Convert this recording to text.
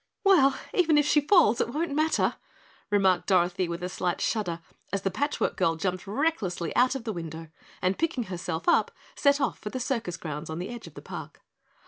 "Well, even if she falls it won't matter," remarked Dorothy with a slight shudder as the Patch Work Girl jumped recklessly out of the window, and picking herself up set off for the circus grounds on the edge of the park.